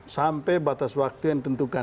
sampai batas waktu yang ditentukan